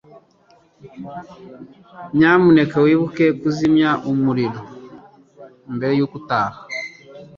Nyamuneka wibuke kuzimya umuriro mbere yuko utaha.